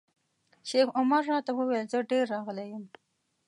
شیخ عمر راته وویل زه ډېر راغلی یم.